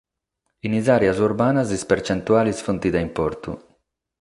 In is àreas urbanas is pertzentuales sunt de importu.